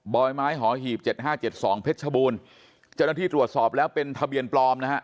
อยไม้หอหีบเจ็ดห้าเจ็ดสองเพชรชบูรณ์เจ้าหน้าที่ตรวจสอบแล้วเป็นทะเบียนปลอมนะฮะ